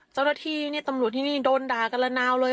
จรฐีเนี่ยตำรวจที่นี่โดนดากละนาวเลย